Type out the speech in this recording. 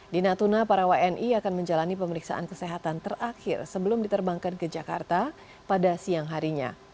di natuna para wni akan menjalani pemeriksaan kesehatan terakhir sebelum diterbangkan ke jakarta pada siang harinya